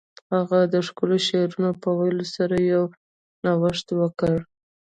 هغه د ښکلو شعرونو په ویلو سره یو نوښت وکړ